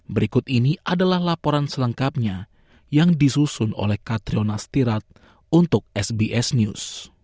berikut ini adalah laporan selengkapnya yang disusun oleh katrionastirat untuk sbs news